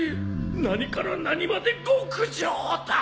何から何まで極上だ。